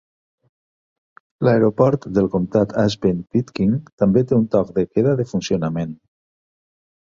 L'aeroport del comtat Aspen-Pitkin també té un toc de queda de funcionament.